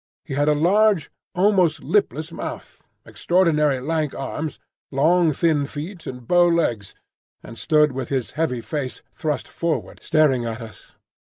He had a large, almost lipless, mouth, extraordinary lank arms, long thin feet, and bow legs, and stood with his heavy face thrust forward staring at us.